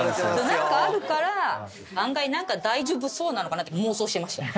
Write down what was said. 何かあるから案外大丈夫そうなのかなって妄想してました。